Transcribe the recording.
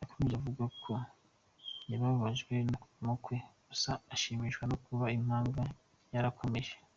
Yakomeje avuga ko yababajwe no kuvamo kwe, gusa ashimishwa no kuba impanga ye yarakomeje.